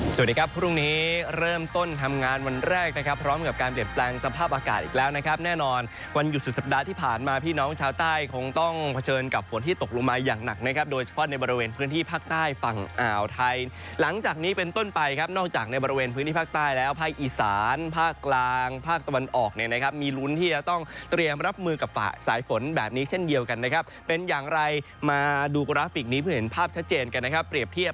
สวัสดีครับพรุ่งนี้เริ่มต้นทำงานวันแรกนะครับพร้อมกับการเปลี่ยนแปลงสภาพอากาศอีกแล้วนะครับแน่นอนวันหยุดสุดสัปดาห์ที่ผ่านมาพี่น้องชาวใต้คงต้องเผชิญกับฝนที่ตกลงมาอย่างหนักนะครับโดยเฉพาะในบริเวณพื้นที่ภาคใต้ฝั่งอ่าวไทยหลังจากนี้เป็นต้นไปครับนอกจากในบริเวณพื้นที่